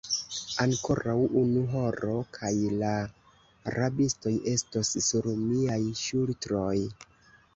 Ankoraŭ unu horo, kaj la rabistoj estos sur miaj ŝultroj.